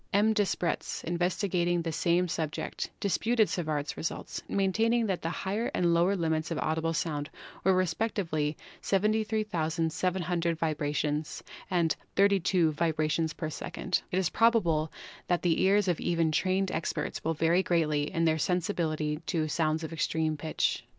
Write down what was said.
M. Despretz, investigating the same subject, disputed Savart's results, maintaining that the higher and lower limits of audible sounds were respectively 73,700 vibrations and 32 vibra tions per second. It is probable that the ears even of trained experts will vary greatly in their sensibility to sounds of extreme pitch.